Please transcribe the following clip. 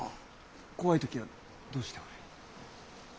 怖い時はどうしておる？